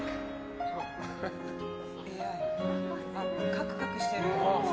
カクカクしてる。